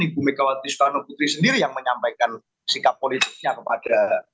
ibu megawati soekarno putri sendiri yang menyampaikan sikap politiknya kepada